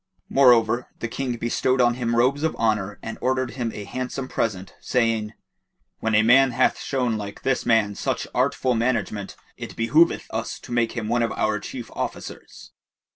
Moreover the King bestowed on him robes of honour and ordered him a handsome present, saying, "When a man hath shown like this man such artful management, it behoveth us to make him one of our chief officers."